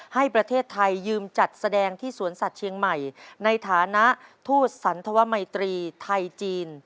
ให้ประเทศไทยยืมจัดแสดงที่สวนสัตว์เชียงใหม่ในฐานะทูตสันธวมัยตรีไทยจีน